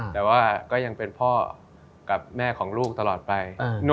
แต่ว่าก็ยังเป็นพ่อกับแม่ของลูกตลอดไป